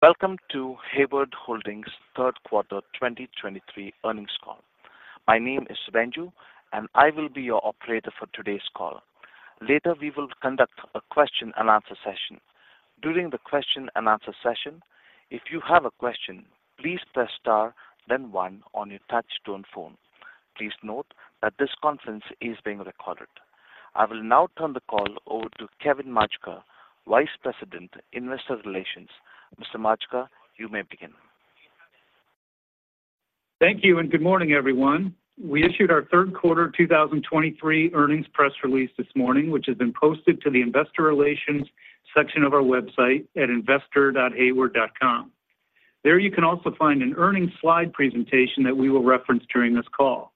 Welcome to Hayward Holdings Q3 2023 Earnings Call. My name is Svangel, and I will be your operator for today's call. Later, we will conduct a question-and-answer session. During the question-and-answer session, if you have a question, please press star, then one on your touch tone phone. Please note that this conference is being recorded. I will now turn the call over to Kevin Maczka, Vice President, Investor Relations. Mr. Maczka, you may begin. Thank you, and good morning, everyone. We issued our Q3 2023 Earnings Press Release this morning, which has been posted to the investor relations section of our website at investor.hayward.com. There you can also find an earnings slide presentation that we will reference during this call.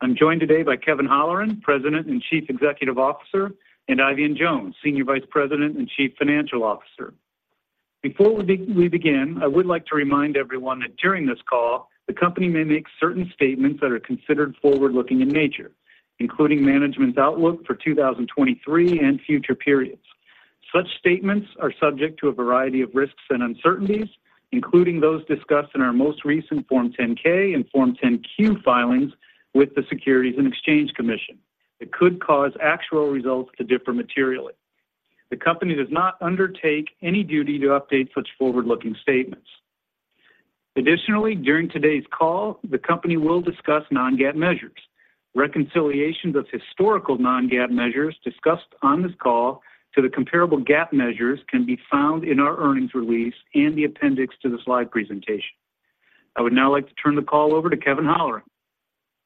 I'm joined today by Kevin Holleran, President and Chief Executive Officer, and Eifion Jones, Senior Vice President and Chief Financial Officer. Before we begin, I would like to remind everyone that during this call, the company may make certain statements that are considered forward-looking in nature, including management's outlook for 2023 and future periods. Such statements are subject to a variety of risks and uncertainties, including those discussed in our most recent Form 10-K and Form 10-Q filings with the Securities and Exchange Commission. It could cause actual results to differ materially. The company does not undertake any duty to update such forward-looking statements. Additionally, during today's call, the company will discuss non-GAAP measures. Reconciliations of historical non-GAAP measures discussed on this call to the comparable GAAP measures can be found in our earnings release and the appendix to the slide presentation. I would now like to turn the call over to Kevin Holleran.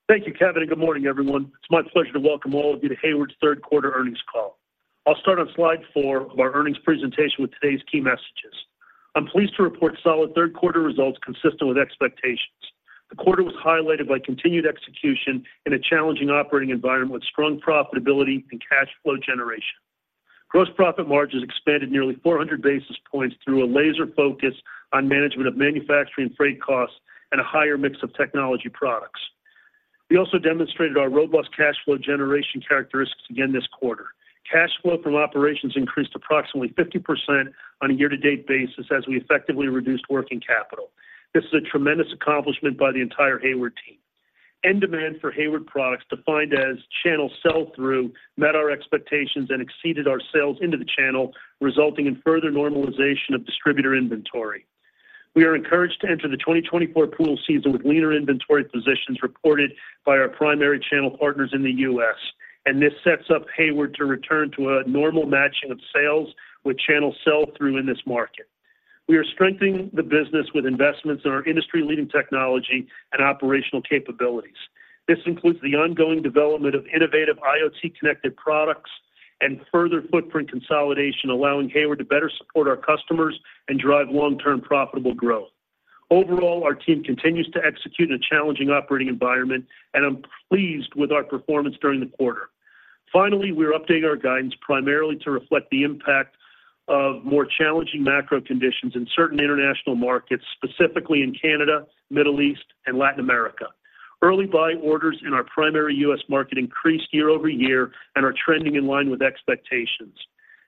Thank you, Kevin, and good morning, everyone. It's my pleasure to welcome all of you to Hayward's Q3 Earnings Call. I'll start on slide four of our earnings presentation with today's key messages. I'm pleased to report solid Q3 results consistent with expectations. The quarter was highlighted by continued execution in a challenging operating environment with strong profitability and cash flow generation. Gross profit margins expanded nearly 400 basis points through a laser focus on management of manufacturing and freight costs and a higher mix of technology products. We also demonstrated our robust cash flow generation characteristics again this quarter. Cash flow from operations increased approximately 50% on a year-to-date basis as we effectively reduced working capital. This is a tremendous accomplishment by the entire Hayward team. End demand for Hayward products, defined as channel sell-through, met our expectations and exceeded our sales into the channel, resulting in further normalization of distributor inventory. We are encouraged to enter the 2024 pool season with leaner inventory positions reported by our primary channel partners in the U.S., and this sets up Hayward to return to a normal matching of sales with channel sell-through in this market. We are strengthening the business with investments in our industry-leading technology and operational capabilities. This includes the ongoing development of innovative IoT-connected products and further footprint consolidation, allowing Hayward to better support our customers and drive long-term profitable growth. Overall, our team continues to execute in a challenging operating environment, and I'm pleased with our performance during the quarter. Finally, we're updating our guidance primarily to reflect the impact of more challenging macro conditions in certain international markets, specifically in Canada, Middle East, and Latin America. Early buy orders in our primary U.S. market increased year-over-year and are trending in line with expectations.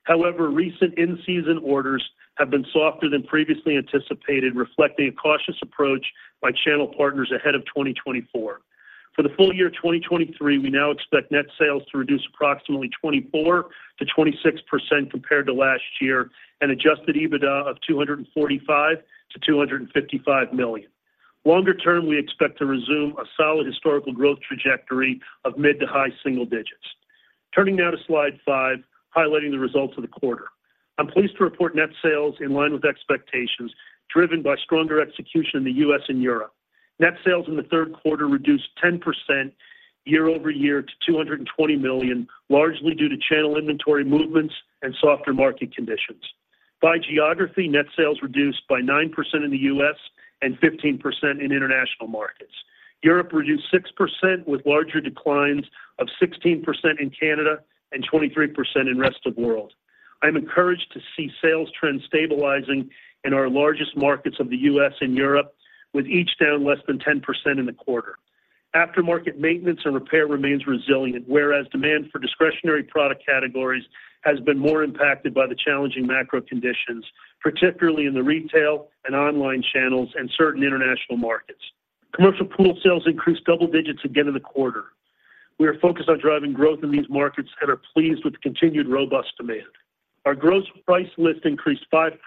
However, recent in-season orders have been softer than previously anticipated, reflecting a cautious approach by channel partners ahead of 2024. For the full year 2023, we now expect net sales to reduce approximately 24%-26% compared to last year, and adjusted EBITDA of $245 million-$255 million. Longer term, we expect to resume a solid historical growth trajectory of mid to high single digits. Turning now to slide five, highlighting the results of the quarter. I'm pleased to report net sales in line with expectations, driven by stronger execution in the U.S. and Europe. Net sales in the Q3 reduced 10% year over year to $220 million, largely due to channel inventory movements and softer market conditions. By geography, net sales reduced by 9% in the US and 15% in international markets. Europe reduced 6%, with larger declines of 16% in Canada and 23% in rest of world. I'm encouraged to see sales trends stabilizing in our largest markets of the US and Europe, with each down less than 10% in the quarter. Aftermarket maintenance and repair remains resilient, whereas demand for discretionary product categories has been more impacted by the challenging macro conditions, particularly in the retail and online channels and certain international markets. Commercial pool sales increased double digits again in the quarter. We are focused on driving growth in these markets and are pleased with the continued robust demand. Our gross price list increased 5%,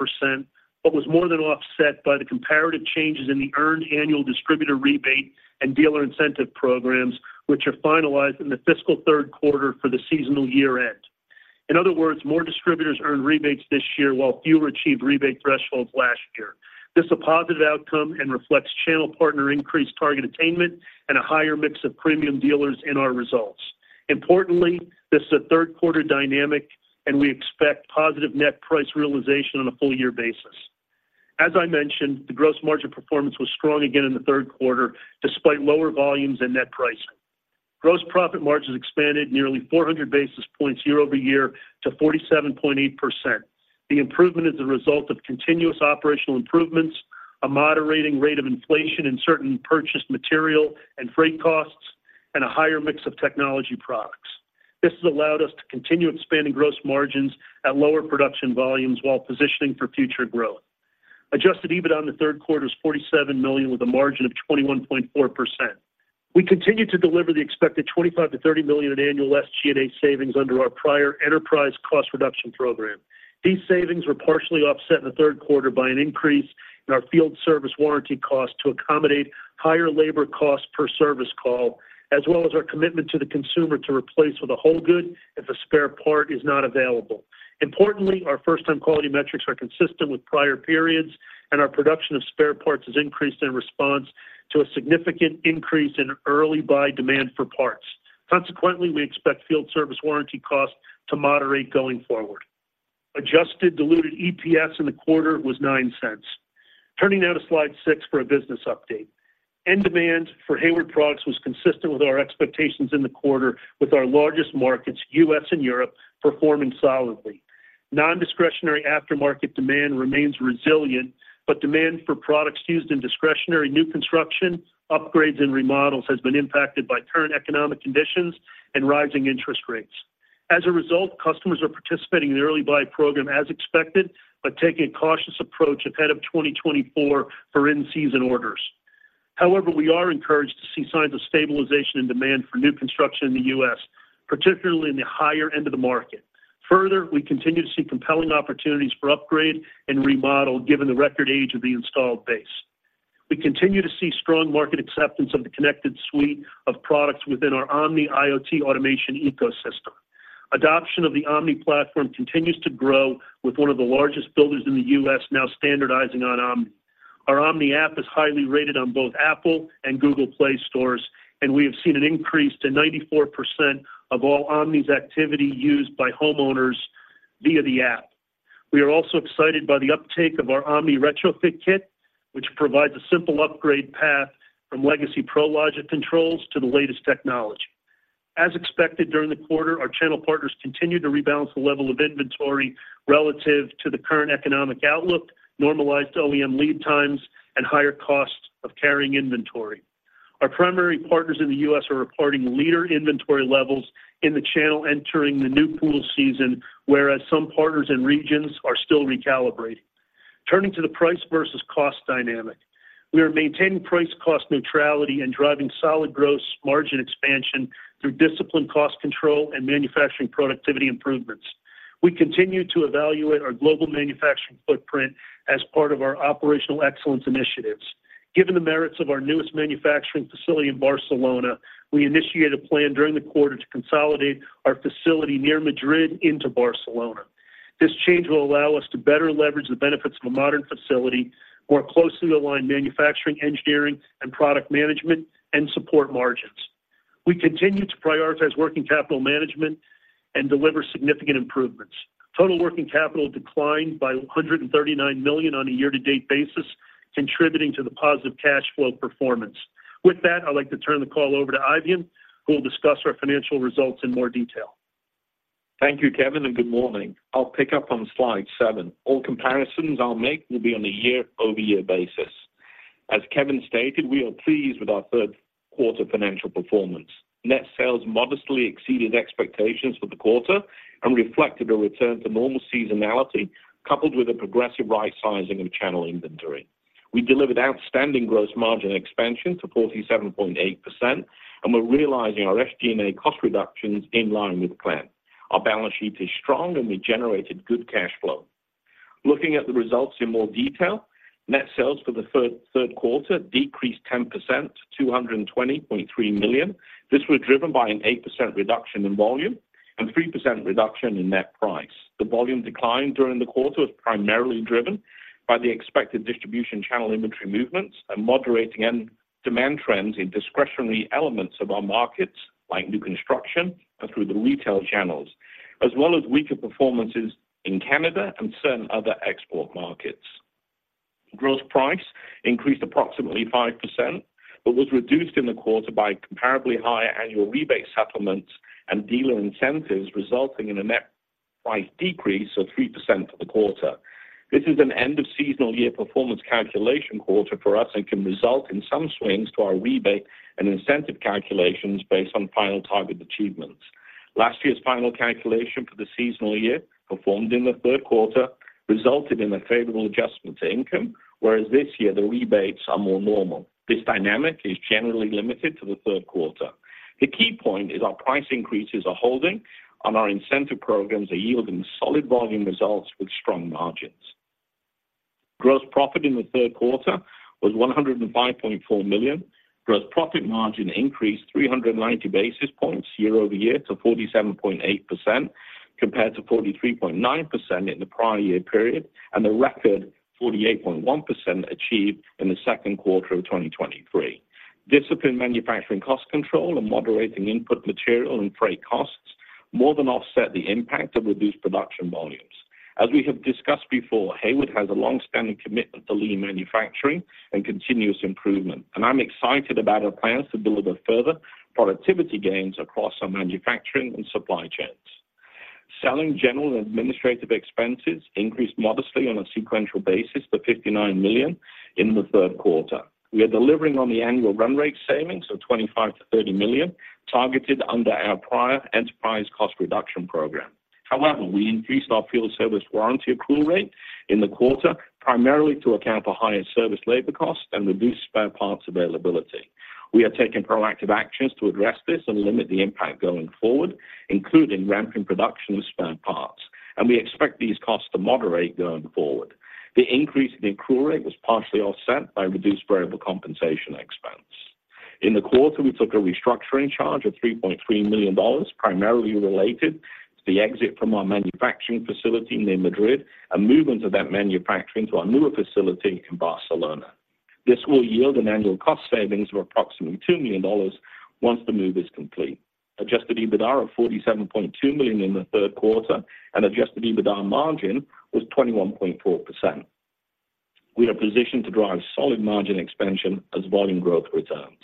but was more than offset by the comparative changes in the earned annual distributor rebate and dealer incentive programs, which are finalized in the fiscal Q3 for the seasonal year-end. In other words, more distributors earned rebates this year, while fewer achieved rebate thresholds last year. This is a positive outcome and reflects channel partner increased target attainment and a higher mix of premium dealers in our results. Importantly, this is a Q3 dynamic, and we expect positive net price realization on a full year basis. As I mentioned, the gross margin performance was strong again in the Q3, despite lower volumes and net pricing. Gross profit margins expanded nearly 400 basis points year-over-year to 47.8%. The improvement is a result of continuous operational improvements, a moderating rate of inflation in certain purchased material and freight costs, and a higher mix of technology products. This has allowed us to continue expanding gross margins at lower production volumes while positioning for future growth. Adjusted EBITDA in the Q3 is $47 million, with a margin of 21.4%. We continued to deliver the expected $25 million-$30 million in annual SG&A savings under our prior enterprise cost reduction program. These savings were partially offset in the Q3 by an increase in our field service warranty costs to accommodate higher labor costs per service call, as well as our commitment to the consumer to replace with a whole good if a spare part is not available. Importantly, our first-time quality metrics are consistent with prior periods, and our production of spare parts has increased in response to a significant increase in early buy demand for parts. Consequently, we expect field service warranty costs to moderate going forward. Adjusted Diluted EPS in the quarter was $0.09. Turning now to slide 6 for a business update. End demand for Hayward products was consistent with our expectations in the quarter, with our largest markets, U.S. and Europe, performing solidly. Non-discretionary aftermarket demand remains resilient, but demand for products used in discretionary new construction, upgrades, and remodels has been impacted by current economic conditions and rising interest rates. As a result, customers are participating in the Early Buy Program as expected, but taking a cautious approach ahead of 2024 for in-season orders. However, we are encouraged to see signs of stabilization in demand for new construction in the U.S., particularly in the higher end of the market. Further, we continue to see compelling opportunities for upgrade and remodel, given the record age of the installed base. We continue to see strong market acceptance of the connected suite of products within our Omni IoT automation ecosystem. Adoption of the Omni platform continues to grow, with one of the largest builders in the U.S. now standardizing on Omni. Our Omni app is highly rated on both Apple and Google Play stores, and we have seen an increase to 94% of all Omni's activity used by homeowners via the app. We are also excited by the uptake of our Omni Retrofit Kit, which provides a simple upgrade path from legacy ProLogic controls to the latest technology. As expected, during the quarter, our channel partners continued to rebalance the level of inventory relative to the current economic outlook, normalized OEM lead times, and higher costs of carrying inventory. Our primary partners in the U.S. are reporting lower inventory levels in the channel entering the new pool season, whereas some partners and regions are still recalibrating. Turning to the price versus cost dynamic. We are maintaining price cost neutrality and driving solid gross margin expansion through disciplined cost control and manufacturing productivity improvements. We continue to evaluate our global manufacturing footprint as part of our operational excellence initiatives. Given the merits of our newest manufacturing facility in Barcelona, we initiated a plan during the quarter to consolidate our facility near Madrid into Barcelona. This change will allow us to better leverage the benefits of a modern facility, more closely align manufacturing, engineering, and product management, and support margins. We continue to prioritize working capital management and deliver significant improvements. Total working capital declined by $139 million on a year-to-date basis, contributing to the positive cash flow performance. With that, I'd like to turn the call over to Eifion, who will discuss our financial results in more detail. Thank you, Kevin, and good morning. I'll pick up on slide seven. All comparisons I'll make will be on a year-over-year basis. As Kevin stated, we are pleased with our Q3 financial performance. Net sales modestly exceeded expectations for the quarter and reflected a return to normal seasonality, coupled with a progressive right sizing of channel inventory. We delivered outstanding gross margin expansion to 47.8%, and we're realizing our SG&A cost reductions in line with plan. Our balance sheet is strong, and we generated good cash flow. Looking at the results in more detail, net sales for the Q3 decreased 10% to $220.3 million. This was driven by an 8% reduction in volume and 3% reduction in net price. The volume decline during the quarter was primarily driven by the expected distribution channel inventory movements and moderating end demand trends in discretionary elements of our markets, like new construction and through the retail channels, as well as weaker performances in Canada and certain other export markets. Gross price increased approximately 5%, but was reduced in the quarter by comparably higher annual rebate settlements and dealer incentives, resulting in a net price decrease of 3% for the quarter. This is an end of seasonal year performance calculation quarter for us and can result in some swings to our rebate and incentive calculations based on final target achievements. Last year's final calculation for the seasonal year, performed in the Q3, resulted in a favorable adjustment to income, whereas this year, the rebates are more normal. This dynamic is generally limited to the Q3. The key point is our price increases are holding, and our incentive programs are yielding solid volume results with strong margins. Gross profit in the Q3 was $105.4 million. Gross profit margin increased 390 basis points year-over-year to 47.8%, compared to 43.9% in the prior year period, and a record 48.1% achieved in the Q2 of 2023. Disciplined manufacturing cost control and moderating input material and freight costs more than offset the impact of reduced production volumes. As we have discussed before, Hayward has a long-standing commitment to lean manufacturing and continuous improvement, and I'm excited about our plans to deliver further productivity gains across our manufacturing and supply chain. Selling general and administrative expenses increased modestly on a sequential basis to $59 million in the Q3. We are delivering on the annual run rate savings of $25 million-$30 million targeted under our prior enterprise cost reduction program. However, we increased our field service warranty accrual rate in the quarter, primarily to account for higher service labor costs and reduced spare parts availability. We are taking proactive actions to address this and limit the impact going forward, including ramping production of spare parts, and we expect these costs to moderate going forward. The increase in the accrual rate was partially offset by reduced variable compensation expense. In the quarter, we took a restructuring charge of $3.3 million, primarily related to the exit from our manufacturing facility near Madrid, and movement of that manufacturing to our newer facility in Barcelona. This will yield an annual cost savings of approximately $2 million once the move is complete. Adjusted EBITDA of $47.2 million in the Q3, and adjusted EBITDA margin was 21.4%. We are positioned to drive solid margin expansion as volume growth returns.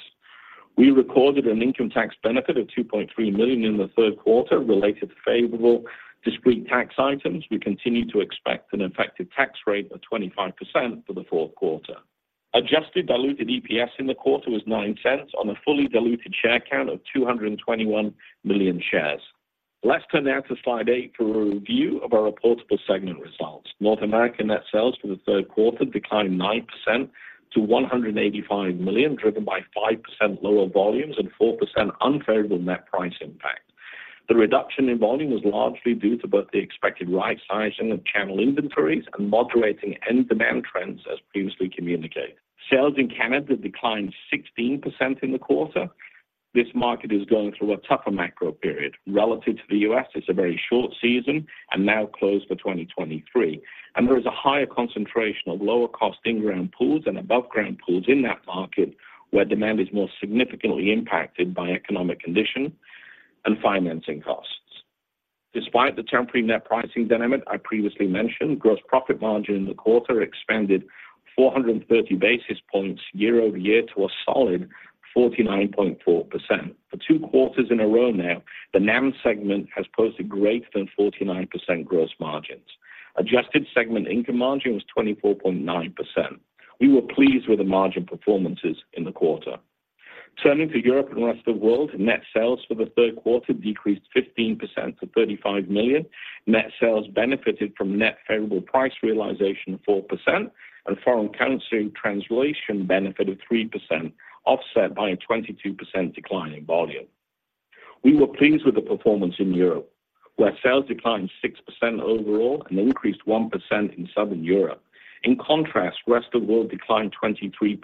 We recorded an income tax benefit of $2.3 million in the Q3 related to favorable discrete tax items. We continue to expect an effective tax rate of 25% for the Q4. Adjusted diluted EPS in the quarter was $0.09 on a fully diluted share count of 221 million shares. Let's turn now to slide 8 for a review of our reportable segment results. North American net sales for the Q3 declined 9% to $185 million, driven by 5% lower volumes and 4% unfavorable net price impact. The reduction in volume was largely due to both the expected right sizing of channel inventories and moderating end demand trends, as previously communicated. Sales in Canada declined 16% in the quarter. This market is going through a tougher macro period. Relative to the U.S., it's a very short season and now closed for 2023, and there is a higher concentration of lower cost in-ground pools and above ground pools in that market, where demand is more significantly impacted by economic condition and financing costs. Despite the temporary net pricing dynamic I previously mentioned, gross profit margin in the quarter expanded 430 basis points year-over-year to a solid 49.4%. For two quarters in a row now, the NAM segment has posted greater than 49% gross margins. Adjusted segment income margin was 24.9%. We were pleased with the margin performances in the quarter. Turning to Europe and Rest of World, net sales for the Q3 decreased 15% to $35 million. Net sales benefited from net favorable price realization of 4% and foreign currency translation benefit of 3%, offset by a 22% decline in volume. We were pleased with the performance in Europe, where sales declined 6% overall and increased 1% in Southern Europe. In contrast, Rest of World declined 23%.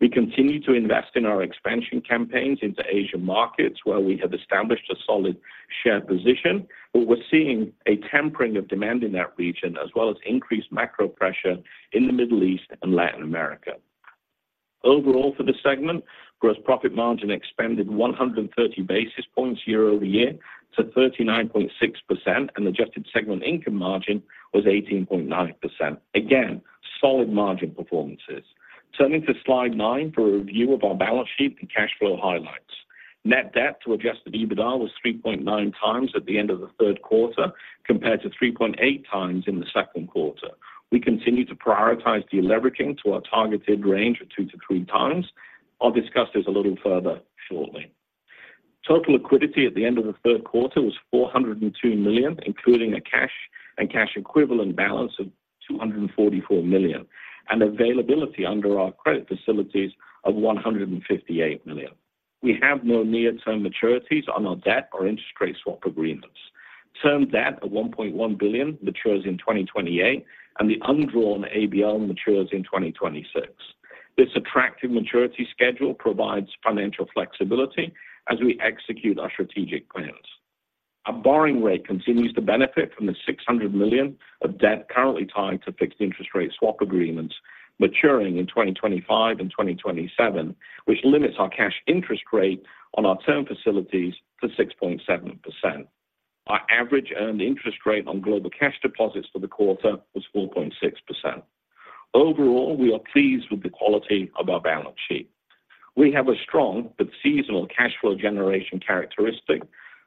We continue to invest in our expansion campaigns into Asia markets, where we have established a solid share position, but we're seeing a tempering of demand in that region, as well as increased macro pressure in the Middle East and Latin America. Overall, for the segment, gross profit margin expanded 130 basis points year-over-year to 39.6%, and adjusted segment income margin was 18.9%. Again, solid margin performances. Turning to slide for a review of our balance sheet and cash flow highlights. Net debt to adjusted EBITDA was 3.9 times at the end of the Q3, compared to 3.8 times in the Q2. We continue to prioritize de-leveraging to our targeted range of 2-3 times. I'll discuss this a little further shortly. Total liquidity at the end of the Q3 was $402 million, including a cash and cash equivalent balance of $244 million, and availability under our credit facilities of $158 million. We have no near-term maturities on our debt or interest rate swap agreements. Term debt of $1.1 billion matures in 2028, and the undrawn ABL matures in 2026. This attractive maturity schedule provides financial flexibility as we execute our strategic plans. Our borrowing rate continues to benefit from the $600 million of debt currently tied to fixed interest rate swap agreements maturing in 2025 and 2027, which limits our cash interest rate on our term facilities to 6.7%. Our average earned interest rate on global cash deposits for the quarter was 4.6%. Overall, we are pleased with the quality of our balance sheet. We have a strong but seasonal cash flow generation characteristic,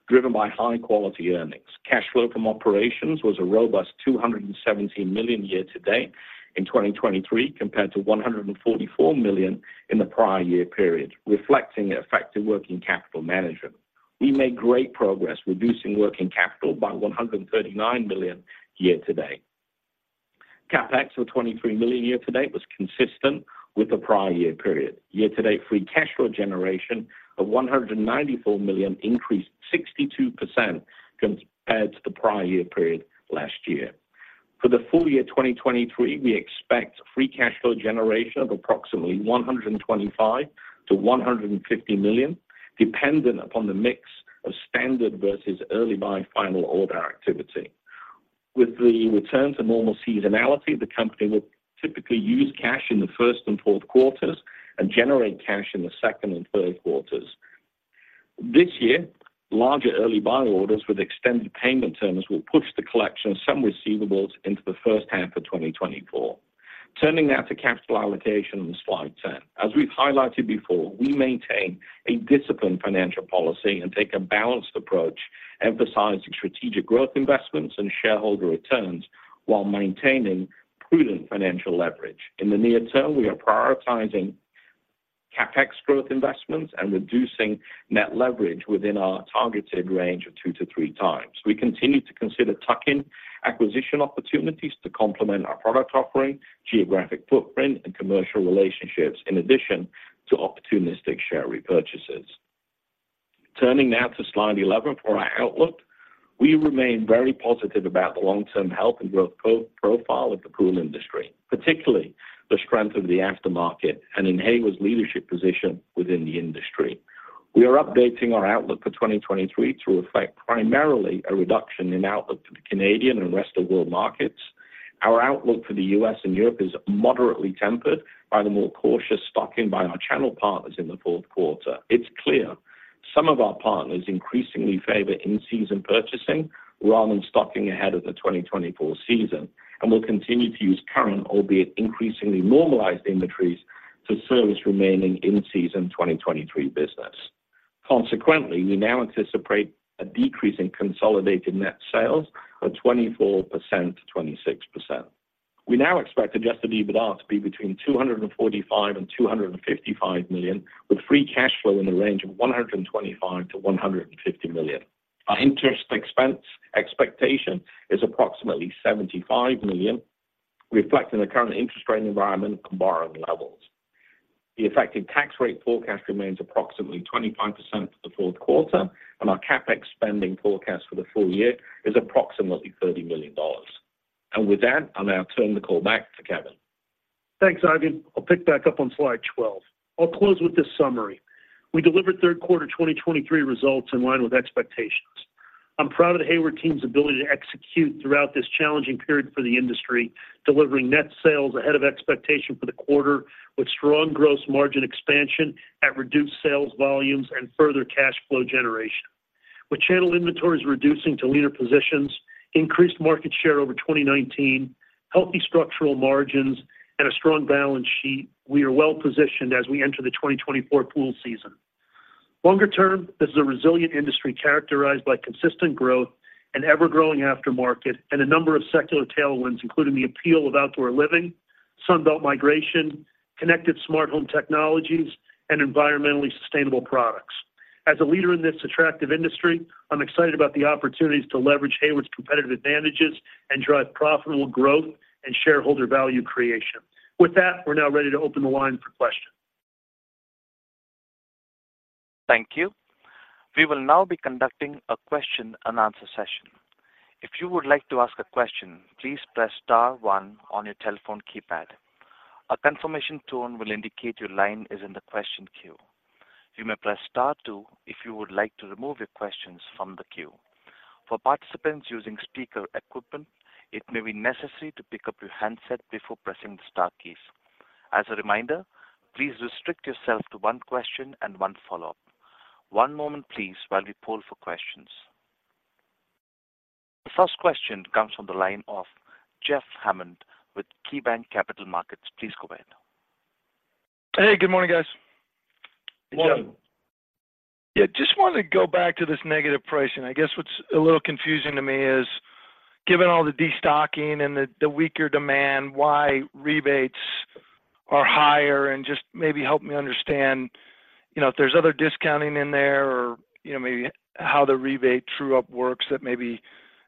driven by high-quality earnings. Cash flow from operations was a robust $217 million year to date in 2023, compared to $144 million in the prior year period, reflecting effective working capital management. We made great progress reducing working capital by $139 million year to date. CapEx of $23 million year to date was consistent with the prior year period. Year to date, free cash flow generation of $194 million increased 62% compared to the prior year period last year. For the full year 2023, we expect free cash flow generation of approximately $125 million-$150 million, dependent upon the mix of standard versus early buy final order activity. With the return to normal seasonality, the company will typically use cash in the Q1 and Q4 and generate cash in the Q2 and Q3. This year, larger early buy orders with extended payment terms will push the collection of some receivables into the first half of 2024. Turning now to capital allocation on slide 10. As we've highlighted before, we maintain a disciplined financial policy and take a balanced approach, emphasizing strategic growth investments and shareholder returns while maintaining prudent financial leverage. In the near term, we are prioritizing CapEx growth investments and reducing net leverage within our targeted range of 2-3 times. We continue to consider tuck-in acquisition opportunities to complement our product offering, geographic footprint, and commercial relationships, in addition to opportunistic share repurchases. Turning now to slide 11 for our outlook. We remain very positive about the long-term health and growth profile of the pool industry, particularly the strength of the aftermarket and in Hayward's leadership position within the industry. We are updating our outlook for 2023 to reflect primarily a reduction in outlook for the Canadian and rest of world markets. Our outlook for the U.S. and Europe is moderately tempered by the more cautious stocking by our channel partners in the fourth quarter. It's clear some of our partners increasingly favor in-season purchasing rather than stocking ahead of the 2024 season, and will continue to use current, albeit increasingly normalized inventories, to service remaining in season 2023 business. Consequently, we now anticipate a decrease in consolidated net sales of 24%-26%. We now expect Adjusted EBITDA to be between $245 million and $255 million, with free cash flow in the range of $125 million-$150 million. Our interest expense expectation is approximately $75 million, reflecting the current interest rate environment and borrowing levels. The effective tax rate forecast remains approximately 25% for the Q4, and our CapEx spending forecast for the full year is approximately $30 million. With that, I'll now turn the call back to Kevin. Thanks, Eifion. I'll pick back up on slide 12. I'll close with this summary. We delivered Q3 2023 results in line with expectations. I'm proud of the Hayward team's ability to execute throughout this challenging period for the industry, delivering net sales ahead of expectation for the quarter, with strong gross margin expansion at reduced sales volumes and further cash flow generation. With channel inventories reducing to leaner positions, increased market share over 2019, healthy structural margins, and a strong balance sheet, we are well positioned as we enter the 2024 pool season. Longer term, this is a resilient industry characterized by consistent growth and ever-growing aftermarket, and a number of secular tailwinds, including the appeal of outdoor living, Sun Belt migration, connected smart home technologies, and environmentally sustainable products. As a leader in this attractive industry, I'm excited about the opportunities to leverage Hayward's competitive advantages and drive profitable growth and shareholder value creation. With that, we're now ready to open the line for questions. Thank you. We will now be conducting a question-and-answer session. If you would like to ask a question, please press star one on your telephone keypad. A confirmation tone will indicate your line is in the question queue. You may press star two if you would like to remove your questions from the queue. For participants using speaker equipment, it may be necessary to pick up your handset before pressing the star keys. As a reminder, please restrict yourself to one question and one follow-up. One moment please, while we poll for questions. The first question comes from the line of Jeff Hammond with KeyBanc Capital Markets. Please go ahead. Hey, good morning, guys. Good morning. Morning. Yeah, just wanted to go back to this negative pricing. I guess what's a little confusing to me is, given all the destocking and the weaker demand, why rebates are higher, and just maybe help me understand, you know, if there's other discounting in there or, you know, maybe how the rebate true-up works that maybe,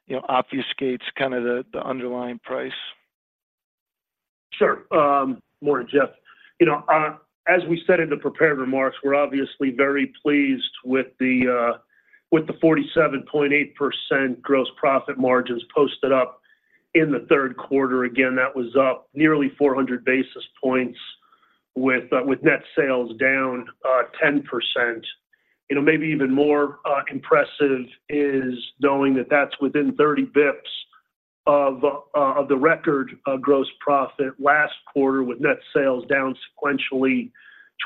you know, obfuscates kind of the underlying price? Sure. Morning, Jeff. You know, as we said in the prepared remarks, we're obviously very pleased with the 47.8% gross profit margins posted up in the Q3. Again, that was up nearly 400 basis points with net sales down 10%. You know, maybe even more impressive is knowing that that's within thirty bps of the record of gross profit last quarter, with net sales down sequentially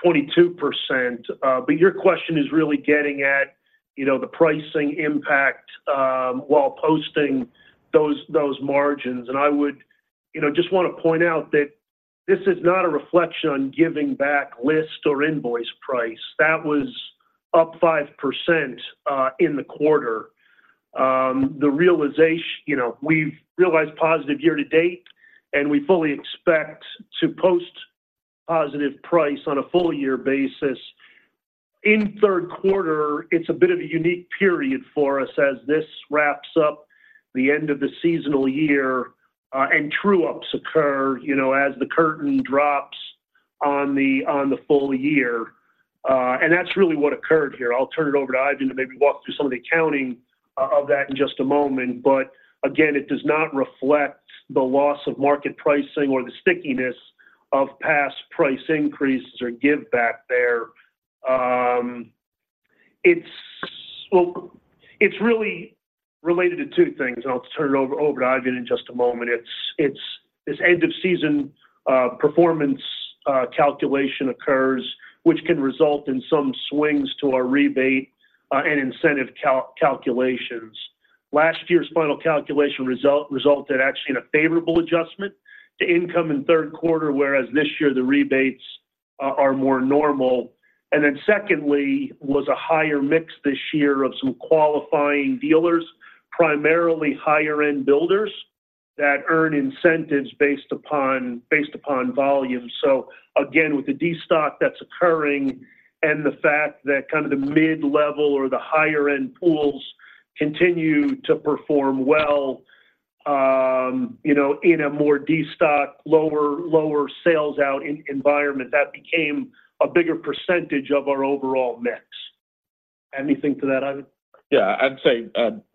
22%. But your question is really getting at, you know, the pricing impact while posting those margins. And I would, you know, just want to point out that this is not a reflection on giving back list or invoice price. That was up 5% in the quarter. The realization, you know, we've realized positive year to date, and we fully expect to post positive price on a full year basis. In Q3, it's a bit of a unique period for us as this wraps up the end of the seasonal year, and true-ups occur, you know, as the curtain drops on the full year. And that's really what occurred here. I'll turn it over to Eifion to maybe walk through some of the accounting of that in just a moment. But again, it does not reflect the loss of market pricing or the stickiness of past price increases or give back there. It's really related to two things, and I'll turn it over to Eifion in just a moment. It's this end-of-season performance calculation occurs, which can result in some swings to our rebate and incentive calculations. Last year's final calculation resulted actually in a favorable adjustment to income in Q3, whereas this year the rebates are more normal. And then secondly, was a higher mix this year of some qualifying dealers, primarily higher-end builders, that earn incentives based upon volume. So again, with the destock that's occurring and the fact that kind of the mid-level or the higher-end pools continue to perform well, you know, in a more destock, lower sales environment, that became a bigger percentage of our overall mix. Anything to that, Eifion? Yeah, I'd say,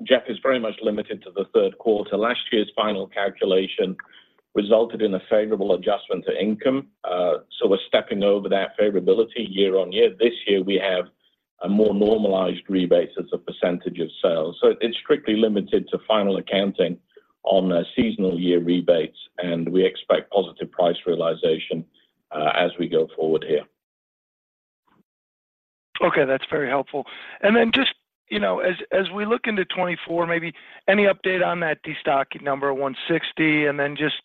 Jeff, it's very much limited to the Q3. Last year's final calculation resulted in a favorable adjustment to income. So we're stepping over that favorability year on year. This year we have a more normalized rebate as a percentage of sales. So it's strictly limited to final accounting on seasonal year rebates, and we expect positive price realization, as we go forward here. Okay, that's very helpful. And then just, you know, as, as we look into 2024, maybe any update on that destock number 160? And then just,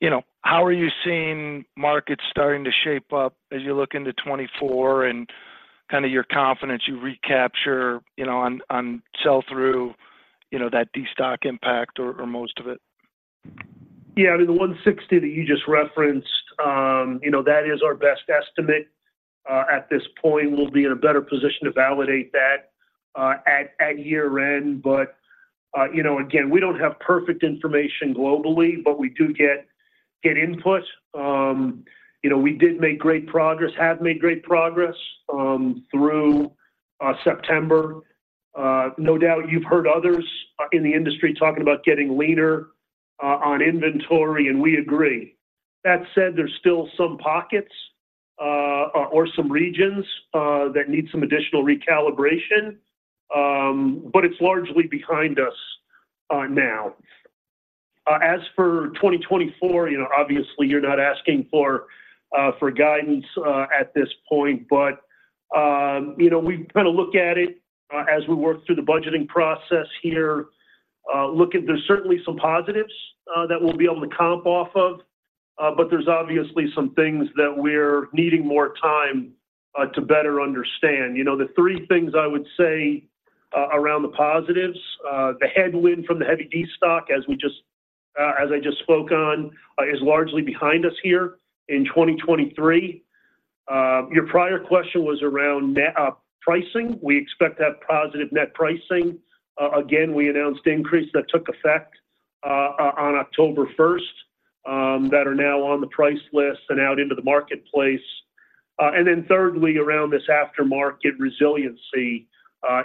you know, how are you seeing markets starting to shape up as you look into 2024 and kind of your confidence you recapture, you know, on, on sell-through, you know, that destock impact or, or most of it? Yeah, I mean, the 160 that you just referenced, you know, that is our best estimate. At this point, we'll be in a better position to validate that, at year-end. But, you know, again, we don't have perfect information globally, but we do get input. You know, we did make great progress, have made great progress, through September. No doubt, you've heard others in the industry talking about getting leaner on inventory, and we agree. That said, there's still some pockets or some regions that need some additional recalibration, but it's largely behind us now. As for 2024, you know, obviously you're not asking for guidance at this point, but, you know, we kind of look at it as we work through the budgeting process here. Look, there's certainly some positives that we'll be able to comp off of, but there's obviously some things that we're needing more time to better understand. You know, the three things I would say around the positives, the headwind from the heavy destock, as I just spoke on, is largely behind us here in 2023. Your prior question was around net pricing. We expect to have positive net pricing. Again, we announced increase that took effect on October 1st that are now on the price list and out into the marketplace. And then thirdly, around this aftermarket resiliency,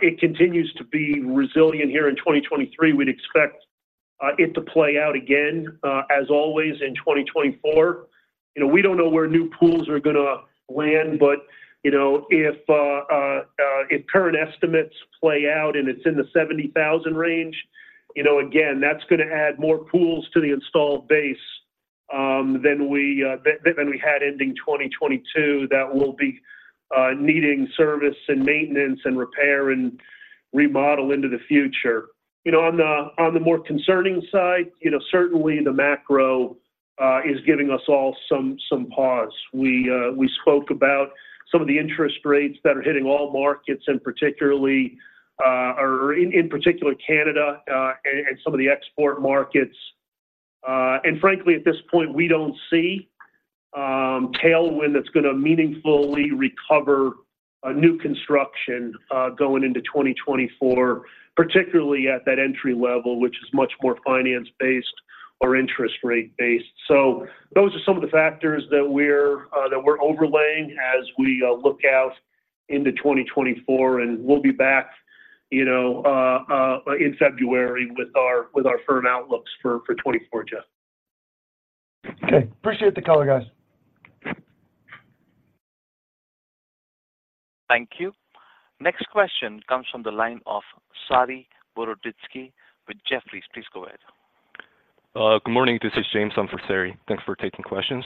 it continues to be resilient here in 2023. We'd expect it to play out again as always in 2024. You know, we don't know where new pools are gonna land, but, you know, if current estimates play out and it's in the 70,000 range, you know, again, that's gonna add more pools to the installed base than we had ending 2022, that will be needing service and maintenance and repair and remodel into the future. You know, on the more concerning side, you know, certainly the macro is giving us all some pause. We spoke about some of the interest rates that are hitting all markets and particularly, in particular Canada, and some of the export markets. And frankly, at this point, we don't see tailwind that's gonna meaningfully recover new construction going into 2024, particularly at that entry level, which is much more finance-based or interest rate-based. So those are some of the factors that we're that we're overlaying as we look out into 2024, and we'll be back, you know, in February with our with our firm outlooks for for 2024, Jeff. Okay. Appreciate the color, guys. Thank you. Next question comes from the line of Saree Boroditsky with Jefferies. Please go ahead. Good morning. This is James on for Saree. Thanks for taking questions.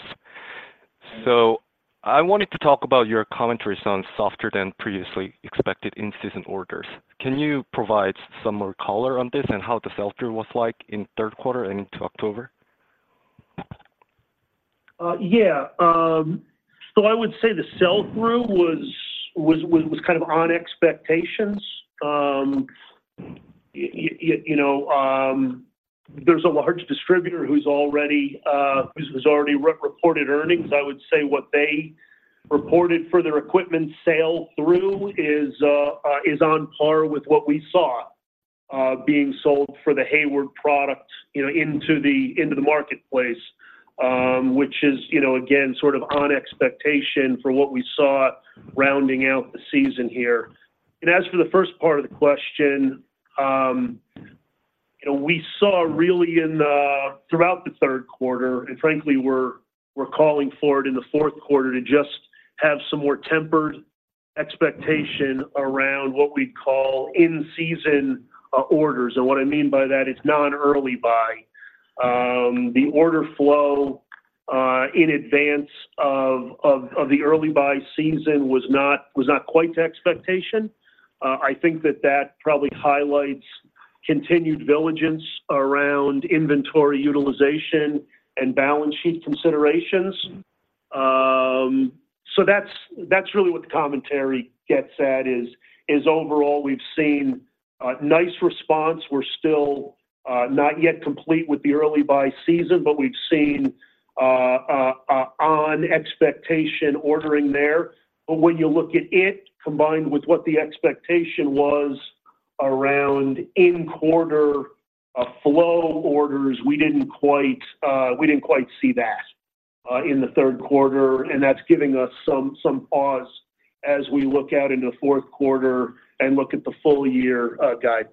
I wanted to talk about your commentary on softer than previously expected in-season orders. Can you provide some more color on this and how the sell-through was like in Q3 and into October? Yeah. So I would say the sell-through was kind of on expectations. You know, there's a large distributor who's already re-reported earnings. I would say what they reported for their equipment sell-through is on par with what we saw being sold for the Hayward product, you know, into the marketplace, which is, you know, again, sort of on expectations for what we saw rounding out the season here. And as for the first part of the question, you know, we saw really throughout the Q3, and frankly, we're calling for it in the Q4, to just have some more tempered expectation around what we'd call in-season orders. And what I mean by that, it's not an early buy. The order flow in advance of the early buy season was not quite to expectation. I think that probably highlights continued diligence around inventory utilization and balance sheet considerations. So that's really what the commentary gets at, is overall we've seen a nice response. We're still not yet complete with the early buy season, but we've seen on expectation ordering there. But when you look at it, combined with what the expectation was around in-quarter flow orders, we didn't quite see that in the Q3, and that's giving us some pause as we look out into Q4 and look at the full year guidance.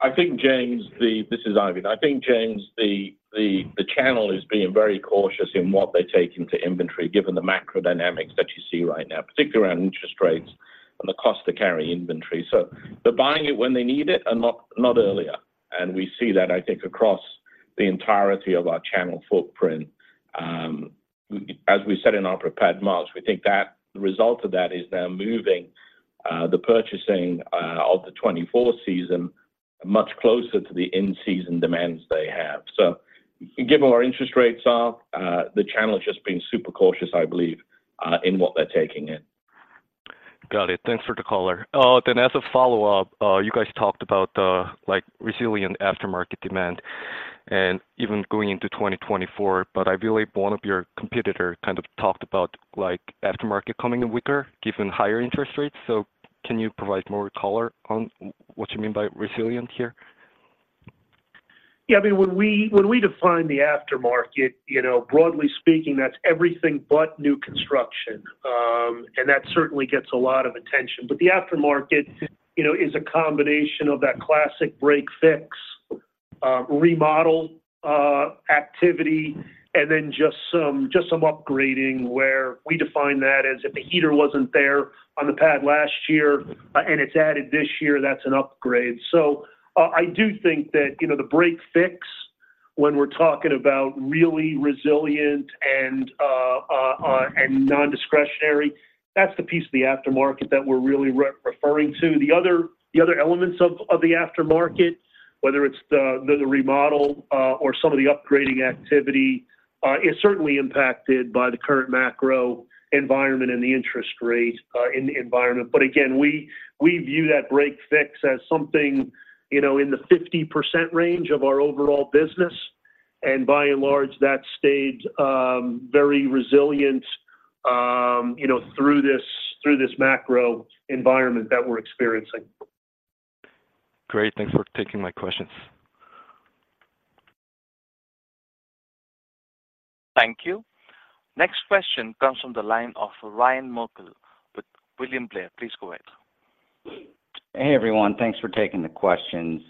I think, James, this is Eifion. I think, James, the channel is being very cautious in what they take into inventory, given the macro dynamics that you see right now, particularly around interest rates and the cost to carry inventory. So they're buying it when they need it and not earlier. And we see that, I think, across the entirety of our channel footprint. As we said in our prepared remarks, we think that the result of that is they're moving the purchasing of the 2024 season much closer to the in-season demands they have. So given where our interest rates are, the channel has just been super cautious, I believe, in what they're taking in. Got it. Thanks for the color. Then as a follow-up, you guys talked about, like, resilient aftermarket demand and even going into 2024. But I believe one of your competitor kind of talked about, like, aftermarket coming in weaker given higher interest rates. So can you provide more color on what you mean by resilient here? Yeah, I mean, when we, when we define the aftermarket, you know, broadly speaking, that's everything but new construction. And that certainly gets a lot of attention. But the aftermarket, you know, is a combination of that classic break, fix, remodel, activity, and then just some, just some upgrading, where we define that as if the heater wasn't there on the pad last year, and it's added this year, that's an upgrade. So I, I do think that, you know, the break fix when we're talking about really resilient and, and nondiscretionary, that's the piece of the aftermarket that we're really referring to. The other, the other elements of, of the aftermarket, whether it's the, the remodel, or some of the upgrading activity, is certainly impacted by the current macro environment and the interest rate in the environment. But again, we view that break fix as something, you know, in the 50% range of our overall business. And by and large, that stayed very resilient, you know, through this macro environment that we're experiencing. Great. Thanks for taking my questions. Thank you. Next question comes from the line of Ryan Merkel with William Blair. Please go ahead. Hey, everyone. Thanks for taking the questions.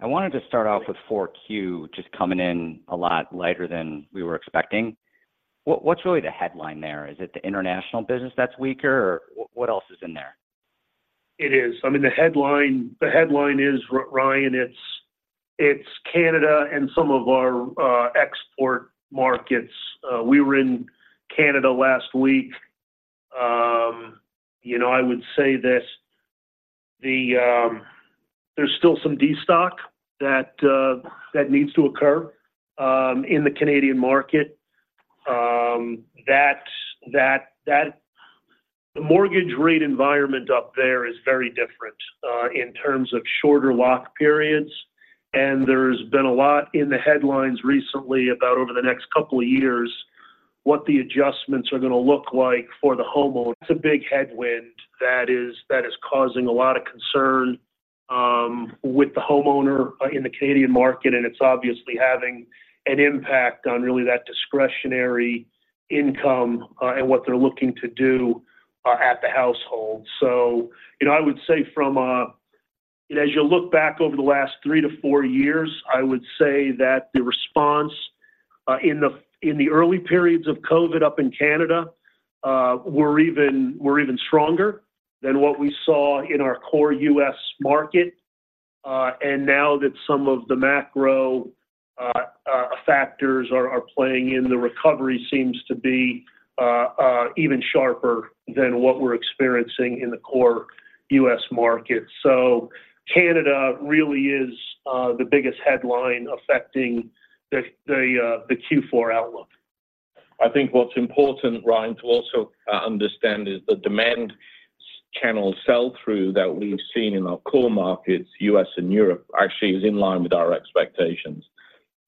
I wanted to start off with Q4, just coming in a lot lighter than we were expecting. What, what's really the headline there? Is it the international business that's weaker, or what else is in there? It is. I mean, the headline is, Ryan, it's Canada and some of our export markets. We were in Canada last week. You know, I would say that there's still some destock that needs to occur in the Canadian market. The mortgage rate environment up there is very different in terms of shorter lock periods, and there's been a lot in the headlines recently about over the next couple of years, what the adjustments are gonna look like for the homeowner. It's a big headwind that is causing a lot of concern with the homeowner in the Canadian market, and it's obviously having an impact on really that discretionary income and what they're looking to do at the household. So, you know, I would say as you look back over the last three to four years, I would say that the response in the early periods of COVID up in Canada were even stronger than what we saw in our core U.S. market. And now that some of the macro factors are playing in, the recovery seems to be even sharper than what we're experiencing in the core U.S. market. So Canada really is the biggest headline affecting the Q4 outlook. I think what's important, Ryan, to also understand is the demand channel sell-through that we've seen in our core markets, U.S. and Europe, actually is in line with our expectations.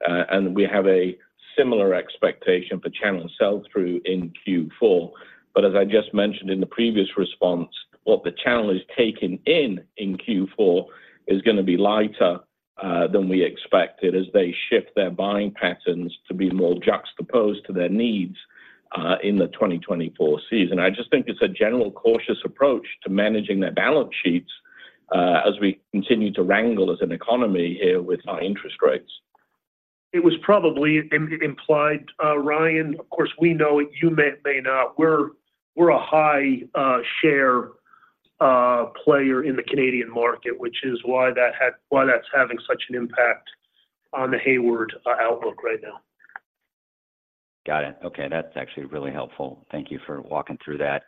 And we have a similar expectation for channel sell-through in Q4. But as I just mentioned in the previous response, what the channel is taking in in Q4 is gonna be lighter than we expected as they shift their buying patterns to be more juxtaposed to their needs in the 2024 season. I just think it's a general cautious approach to managing their balance sheets as we continue to wrangle as an economy here with our interest rates. It was probably implied, Ryan. Of course, we know it. You may not. We're a high share player in the Canadian market, which is why that's having such an impact on the Hayward outlook right now. Got it. Okay, that's actually really helpful. Thank you for walking through that.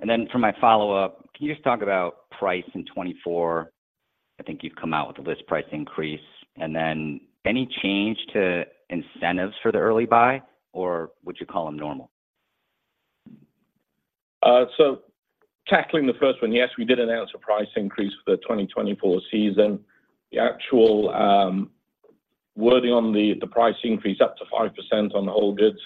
And then for my follow-up, can you just talk about price in 2024? I think you've come out with a list price increase, and then any change to incentives for the early buy, or would you call them normal? So tackling the first one, yes, we did announce a price increase for the 2024 season. The actual wording on the price increase, up to 5% on the whole goods,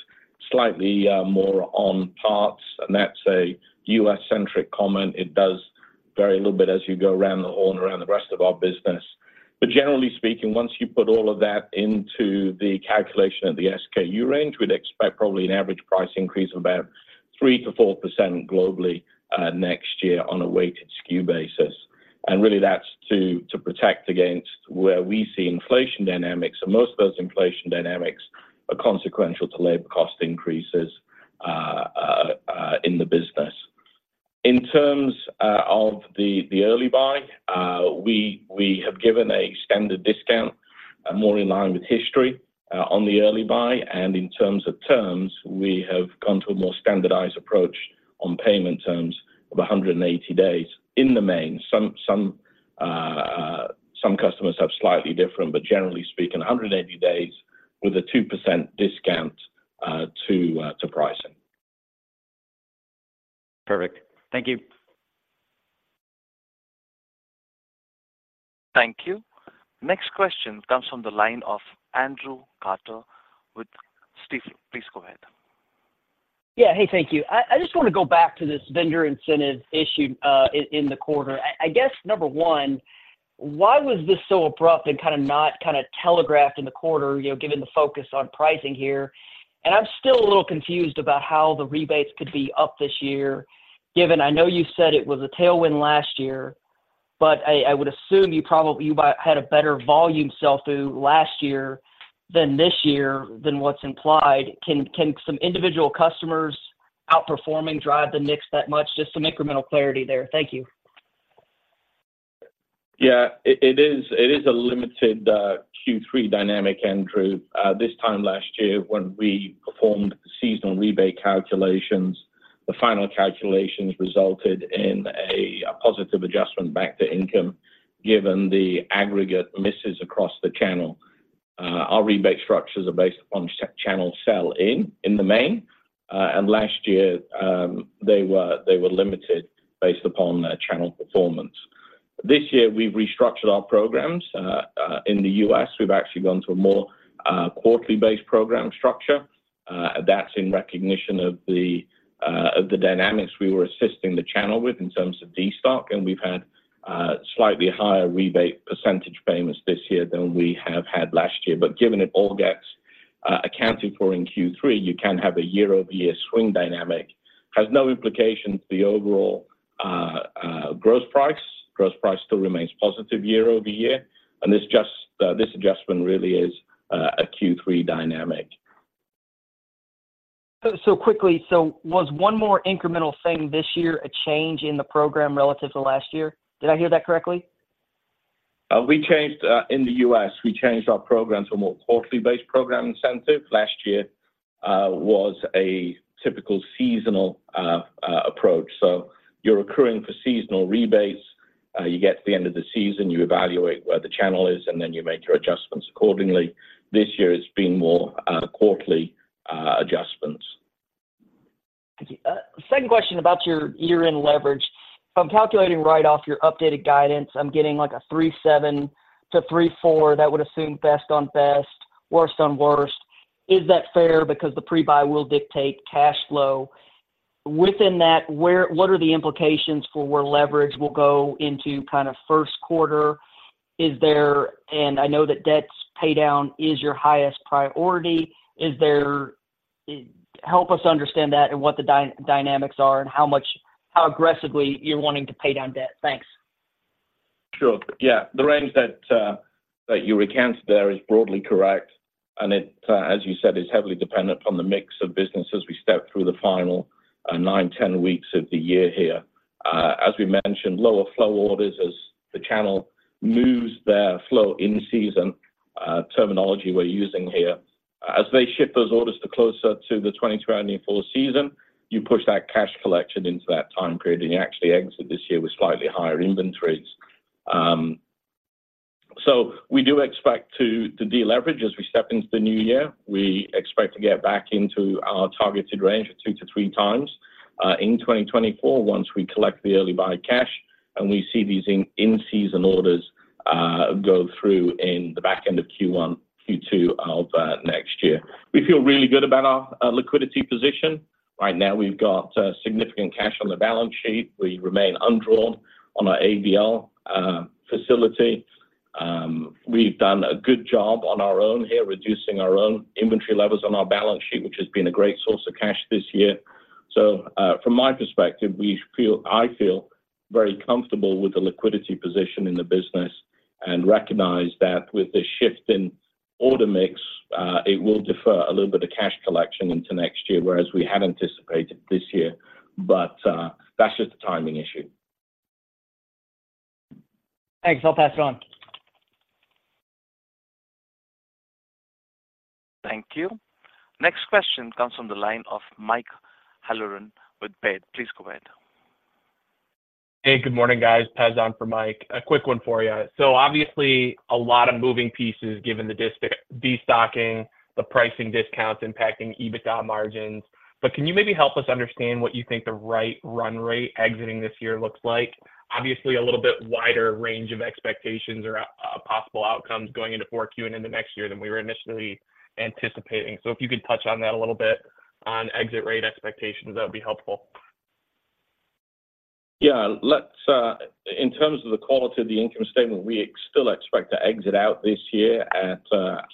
slightly more on parts, and that's a U.S.-centric comment. It does vary a little bit as you go around the horn, around the rest of our business. But generally speaking, once you put all of that into the calculation of the SKU range, we'd expect probably an average price increase of about 3%-4% globally next year on a weighted SKU basis. And really, that's to protect against where we see inflation dynamics, and most of those inflation dynamics are consequential to labor cost increases in the business. In terms of the early buy, we have given a standard discount more in line with history on the early buy. And in terms of terms, we have gone to a more standardized approach on payment terms of 180 days in the main. Some customers have slightly different, but generally speaking, 180 days with a 2% discount to pricing. Perfect. Thank you. Thank you. Next question comes from the line of Andrew Carter with Stifel. Please go ahead. Yeah, hey, thank you. I just wanna go back to this vendor incentive issue in the quarter. I guess, number one, why was this so abrupt and kinda not telegraphed in the quarter, you know, given the focus on pricing here? And I'm still a little confused about how the rebates could be up this year, given I know you said it was a tailwind last year, but I would assume you probably might had a better volume sell-through last year than this year than what's implied. Can some individual customers outperforming drive the mix that much? Just some incremental clarity there. Thank you. Yeah, it is a limited Q3 dynamic, Andrew. This time last year, when we performed seasonal rebate calculations, the final calculations resulted in a positive adjustment back to income, given the aggregate misses across the channel. Our rebate structures are based upon channel sell-in, in the main, and last year, they were limited based upon channel performance. This year, we've restructured our programs. In the U.S., we've actually gone to a more quarterly-based program structure. That's in recognition of the dynamics we were assisting the channel with in terms of destock, and we've had slightly higher rebate percentage payments this year than we have had last year. But given it all gets accounted for in Q3, you can have a year-over-year swing dynamic. Has no implications to the overall growth price. Growth price still remains positive year over year, and this adjustment really is a Q3 dynamic. So, so quickly, so was one more incremental thing this year a change in the program relative to last year? Did I hear that correctly? We changed, in the U.S., we changed our program to a more quarterly-based program incentive. Last year was a typical seasonal approach. So you're accruing for seasonal rebates. You get to the end of the season, you evaluate where the channel is, and then you make your adjustments accordingly. This year, it's been more quarterly adjustments. Thank you. Second question about your year-end leverage. If I'm calculating right off your updated guidance, I'm getting, like, a 3.7-3.4. That would assume best on best, worst on worst. Is that fair? Because the pre-buy will dictate cash flow. Within that, where, what are the implications for where leverage will go into kinda Q1? Is there... And I know that debt paydown is your highest priority. Is there, help us understand that and what the dynamics are and how much, how aggressively you're wanting to pay down debt. Thanks. Sure. Yeah. The range that that you recount there is broadly correct, and it, as you said, is heavily dependent on the mix of businesses. We step through the final 9-10 weeks of the year here. As we mentioned, lower flow orders as the channel moves their flow in season terminology we're using here. As they ship those orders to closer to the 2024 season, you push that cash collection into that time period, and you actually exit this year with slightly higher inventories. So we do expect to deleverage as we step into the new year. We expect to get back into our targeted range of 2-3 times in 2024, once we collect the early buy cash, and we see these in-season orders go through in the back end of Q1, Q2 of next year. We feel really good about our liquidity position. Right now, we've got significant cash on the balance sheet. We remain undrawn on our ABL facility. We've done a good job on our own here, reducing our own inventory levels on our balance sheet, which has been a great source of cash this year. So, from my perspective, we feel, I feel very comfortable with the liquidity position in the business and recognize that with the shift in order mix, it will defer a little bit of cash collection into next year, whereas we had anticipated this year, but that's just a timing issue. Thanks. I'll pass it on. Thank you. Next question comes from the line of Mike Halloran with Baird. Please go ahead. Hey, good morning, guys. Pez on for Mike. A quick one for you. So obviously, a lot of moving pieces, given the destocking, the pricing discounts impacting EBITDA margins, but can you maybe help us understand what you think the right run rate exiting this year looks like? Obviously, a little bit wider range of expectations or, possible outcomes going into Q4 and in the next year than we were initially anticipating. So if you could touch on that a little bit, on exit rate expectations, that would be helpful. Yeah. In terms of the quality of the income statement, we still expect to exit out this year at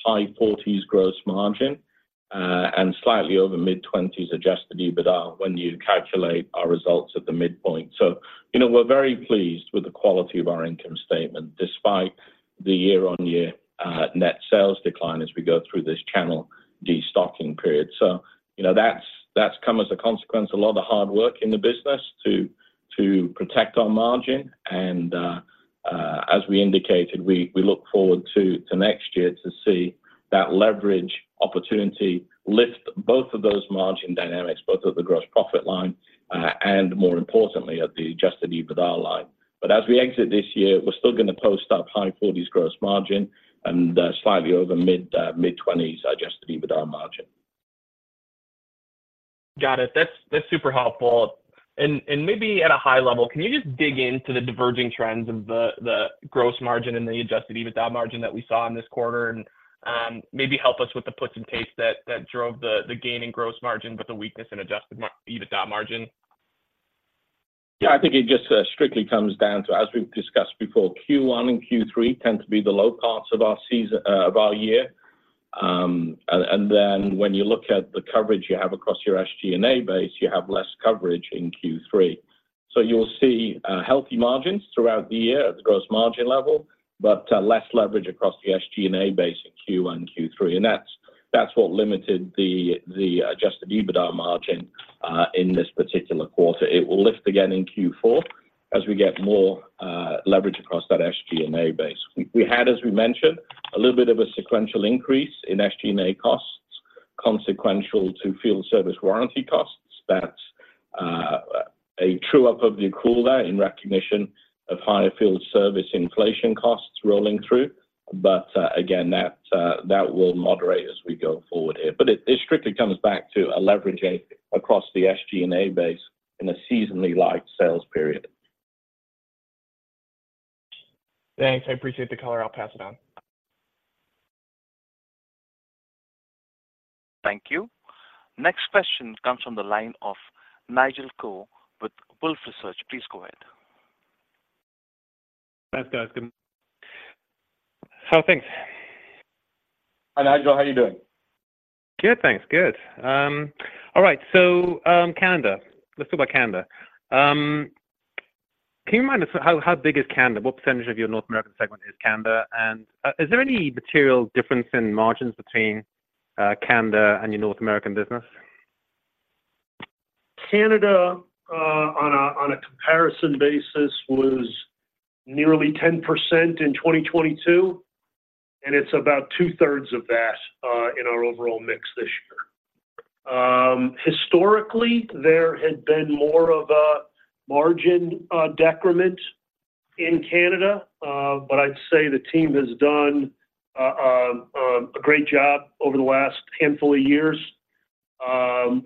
high 40s gross margin, and slightly over mid-20s Adjusted EBITDA when you calculate our results at the midpoint. So, you know, we're very pleased with the quality of our income statement, despite the year-on-year net sales decline as we go through this channel destocking period. So, you know, that's come as a consequence of a lot of hard work in the business to protect our margin. And, as we indicated, we look forward to next year to see that leverage opportunity lift both of those margin dynamics, both at the gross profit line, and more importantly, at the Adjusted EBITDA line. But as we exit this year, we're still gonna post up high 40s gross margin and slightly over mid-20s adjusted EBITDA margin. Got it. That's super helpful. And maybe at a high level, can you just dig into the diverging trends of the gross margin and the adjusted EBITDA margin that we saw in this quarter? Maybe help us with the puts and takes that drove the gain in gross margin, but the weakness in adjusted EBITDA margin. Yeah, I think it just, strictly comes down to, as we've discussed before, Q1 and Q3 tend to be the low parts of our season, of our year. And then when you look at the coverage you have across your SG&A base, you have less coverage in Q3. So you'll see, healthy margins throughout the year at the gross margin level, but, less leverage across the SG&A base in Q1 and Q3. And that's what limited the adjusted EBITDA margin, in this particular quarter. It will lift again in Q4 as we get more, leverage across that SG&A base. We had, as we mentioned, a little bit of a sequential increase in SG&A costs, consequential to field service warranty costs. That's a true-up of the accrual there in recognition of higher field service inflation costs rolling through. But again, that will moderate as we go forward here. But it strictly comes back to a leverage across the SG&A base in a seasonally light sales period. Thanks. I appreciate the color. I'll pass it on. Thank you. Next question comes from the line of Nigel Coe with Wolfe Research. Please go ahead. Thanks, guys. Good. So thanks. Hi, Nigel, how are you doing? Good, thanks. Good. All right, so, Canada. Let's talk about Canada. Can you remind us how big is Canada? What percentage of your North American segment is Canada? And, is there any material difference in margins between Canada and your North American business? Canada, on a comparison basis, was nearly 10% in 2022, and it's about 2/3 of that, in our overall mix this year. Historically, there had been more of a margin decrement in Canada, but I'd say the team has done a great job over the last handful of years,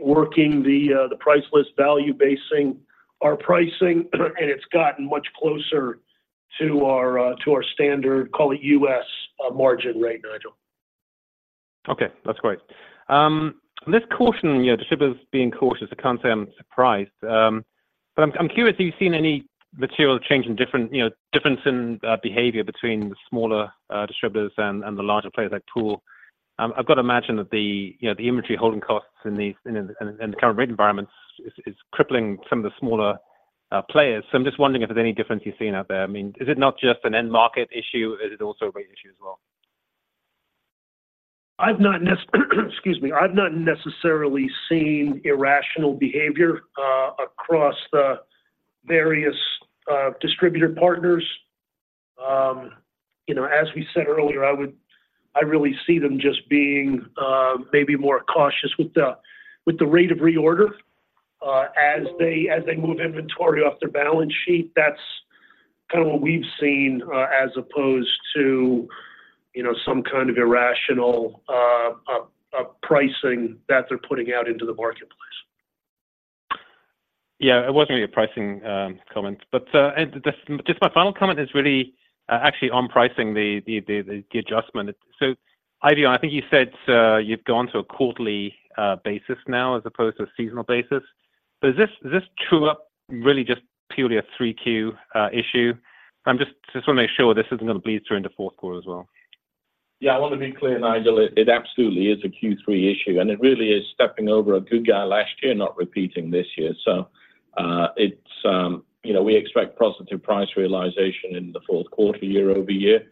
working the price list value, basing our pricing, and it's gotten much closer to our, to our standard, call it U.S., margin rate, Nigel. Okay, that's great. This caution, you know, distributors being cautious, I can't say I'm surprised, but I'm curious, have you seen any material change in different, you know, difference in behavior between the smaller distributors and the larger players like Tool? I've got to imagine that the, you know, the inventory holding costs in these, in the current rate environments is crippling some of the smaller players. So I'm just wondering if there's any difference you've seen out there. I mean, is it not just an end market issue? Is it also a rate issue as well? I've not necessarily seen irrational behavior across the various distributor partners. You know, as we said earlier, I would, I really see them just being maybe more cautious with the rate of reorder as they move inventory off their balance sheet. That's kinda what we've seen as opposed to, you know, some kind of irrational pricing that they're putting out into the marketplace. Yeah, it wasn't really a pricing comment, but and just my final comment is really actually on pricing, the adjustment. So Eifion, I think you said you've gone to a quarterly basis now as opposed to a seasonal basis. But is this true up really just purely a Q3 issue? I'm just wanna make sure this isn't gonna bleed through into Q4 as well. Yeah, I want to be clear, Nigel, it absolutely is a Q3 issue, and it really is stepping over a good guy last year, not repeating this year. So, it's, you know, we expect positive price realization in the Q4 year-over-year.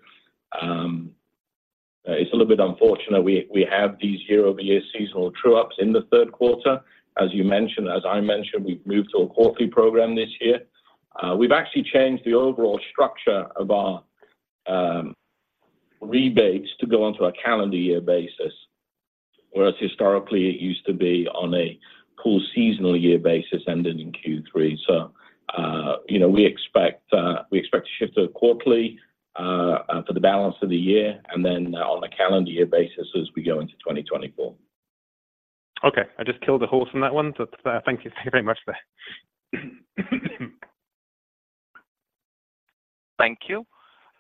It's a little bit unfortunate we have these year-over-year seasonal true-ups in the Q3. As you mentioned, as I mentioned, we've moved to a quarterly program this year. We've actually changed the overall structure of our rebates to go onto a calendar year basis, whereas historically it used to be on a pool seasonal year basis, ending in Q3. So, you know, we expect to shift to quarterly for the balance of the year and then on a calendar year basis as we go into 2024. Okay, I just killed a horse on that one, so thank you very much there. Thank you.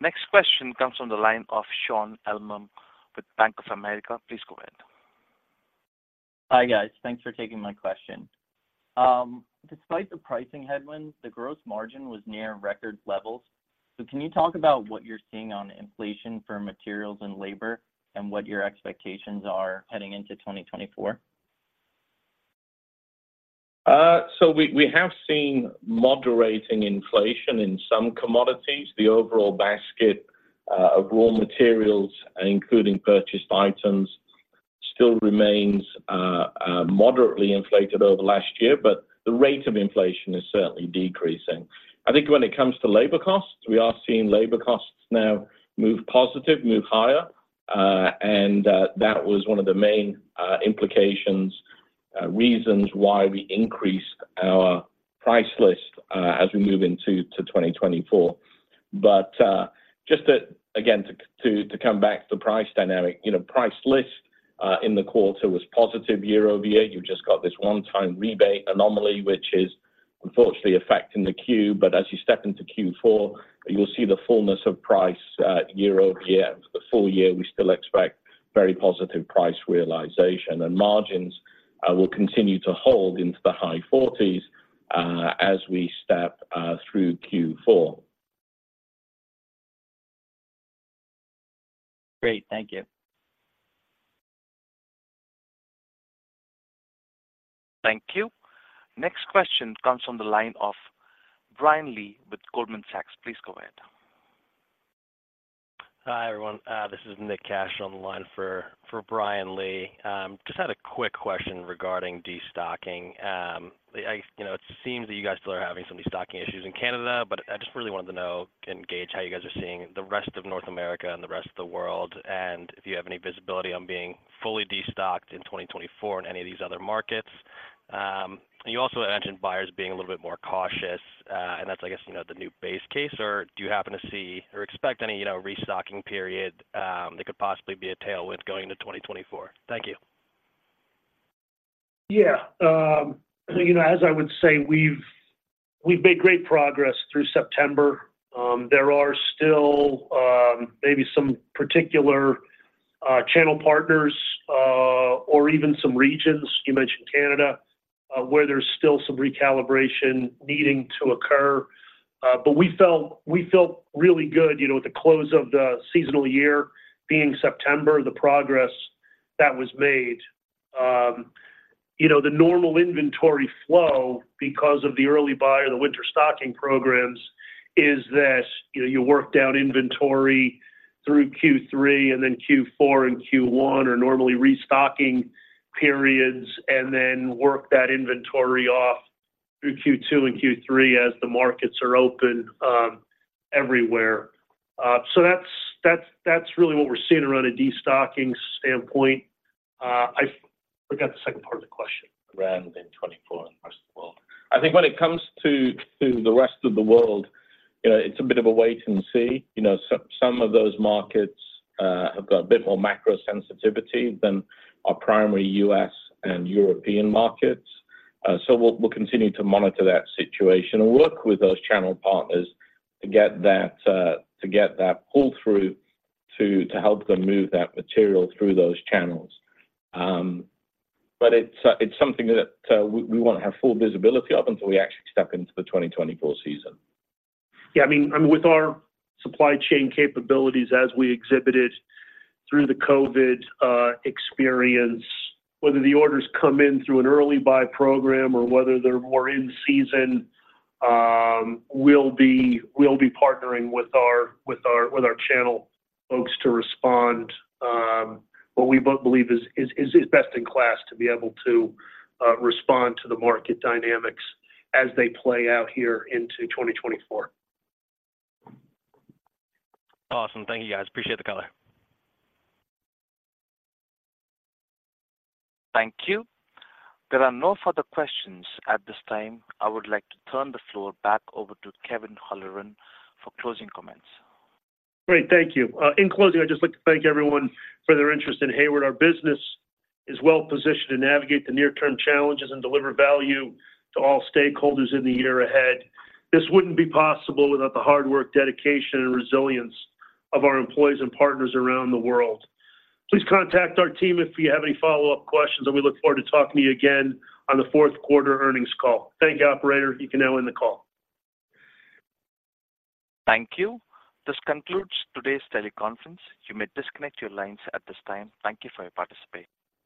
Next question comes from the line of Sean Elmer with Bank of America. Please go ahead. Hi, guys. Thanks for taking my question. Despite the pricing headwinds, the gross margin was near record levels. So can you talk about what you're seeing on inflation for materials and labor and what your expectations are heading into 2024? So we have seen moderating inflation in some commodities. The overall basket of raw materials, including purchased items, still remains moderately inflated over last year, but the rate of inflation is certainly decreasing. I think when it comes to labor costs, we are seeing labor costs now move positive, move higher, and that was one of the main implications, reasons why we increased our price list as we move into 2024. But just to again come back to the price dynamic, you know, price list in the quarter was positive year-over-year. You've just got this one-time rebate anomaly, which is unfortunately affecting the Q. But as you step into Q4, you'll see the fullness of price year-over-year. The full year, we still expect very positive price realization, and margins will continue to hold into the high 40s as we step through Q4. Great. Thank you. Thank you. Next question comes from the line of Brian Lee with Goldman Sachs. Please go ahead. Hi, everyone. This is Nick Cash on the line for Brian Lee. Just had a quick question regarding destocking. You know, it seems that you guys still are having some destocking issues in Canada, but I just really wanted to know and gauge how you guys are seeing the rest of North America and the rest of the world, and if you have any visibility on being fully destocked in 2024 in any of these other markets. And you also mentioned buyers being a little bit more cautious, and that's, I guess, you know, the new base case, or do you happen to see or expect any, you know, restocking period that could possibly be a tailwind going into 2024? Thank you. Yeah. You know, as I would say, we've made great progress through September. There are still maybe some particular channel partners or even some regions, you mentioned Canada, where there's still some recalibration needing to occur. But we felt really good, you know, at the close of the seasonal year, being September, the progress that was made. You know, the normal inventory flow, because of the early buy or the winter stocking programs, is that, you know, you work down inventory through Q3, and then Q4 and Q1 are normally restocking periods, and then work that inventory off through Q2 and Q3 as the markets are open, everywhere. So that's really what we're seeing around a destocking standpoint. I forgot the second part of the question. Around in 2024 and the rest of the world. I think when it comes to the rest of the world, you know, it's a bit of a wait and see. You know, some of those markets have got a bit more macro sensitivity than our primary U.S. and European markets. So we'll continue to monitor that situation and work with those channel partners to get that pull-through to help them move that material through those channels. But it's something that we won't have full visibility of until we actually step into the 2024 season. Yeah, I mean, with our supply chain capabilities as we exhibited through the COVID experience, whether the orders come in through an Early Buy Program or whether they're more in season, we'll be partnering with our channel folks to respond. What we both believe is best in class to be able to respond to the market dynamics as they play out here into 2024. Awesome. Thank you, guys. Appreciate the color. Thank you. There are no further questions at this time. I would like to turn the floor back over to Kevin Holleran for closing comments. Great, thank you. In closing, I'd just like to thank everyone for their interest in Hayward. Our business is well positioned to navigate the near-term challenges and deliver value to all stakeholders in the year ahead. This wouldn't be possible without the hard work, dedication, and resilience of our employees and partners around the world. Please contact our team if you have any follow-up questions, and we look forward to talking to you again on the Q4 earnings call. Thank you, operator. You can now end the call. Thank you. This concludes today's teleconference. You may disconnect your lines at this time. Thank you for your participation.